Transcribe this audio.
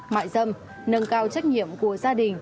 mại dâm nâng cao trách nhiệm của gia đình